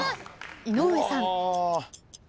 井上さん。